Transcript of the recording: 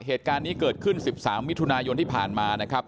เหตุการณ์นี้เกิดขึ้น๑๓มิถุนายนที่ผ่านมานะครับ